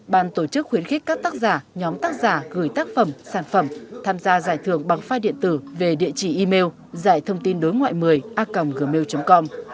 ban tổ chức khuyến khích các tác giả nhóm tác giả gửi tác phẩm sản phẩm tham gia giải thưởng bằng file điện tử về địa chỉ email giải thông tin đối ngoại một mươi a gmail com